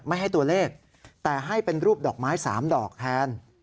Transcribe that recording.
ไม่ให้ตัวเลขแต่ให้เป็นรูปดอกไม้๓ดอกแทน